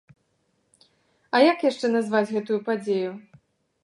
А як яшчэ назваць гэтую падзею?